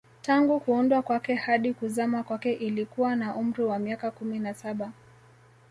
Tangu kuundwa kwake hadi kuzama kwake ilikuwa na umri wa miaka kumi na saba